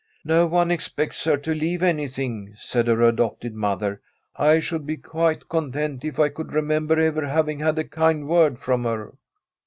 ' No one expects her to leave anything,' said her adopted mother. ' I should be quite content if I could remember ever having had a kind word firom her.'